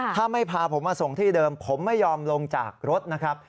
ถ้าไม่พาผมมาส่งที่เดิมผมไม่ยอมลงจากรถนะครับ